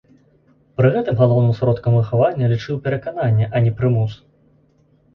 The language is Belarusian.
Пры гэтым галоўным сродкам выхавання лічыў перакананне, а не прымус.